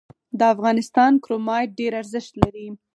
د افغانستان کرومایټ ډیر ارزښت لري